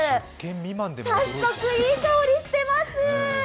早速いい香りしてます。